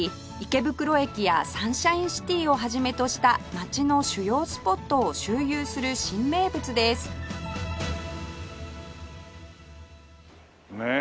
池袋駅やサンシャインシティを始めとした街の主要スポットを周遊する新名物ですねえ。